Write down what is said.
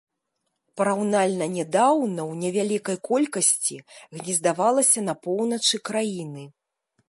Параўнальна нядаўна ў невялікай колькасці гнездавалася на поўначы краіны.